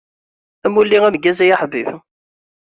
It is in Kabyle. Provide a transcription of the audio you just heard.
Amulli ameggaz ay aḥbib.